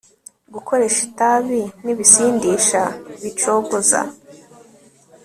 Gukoresha itabi nibisindisha bicogoza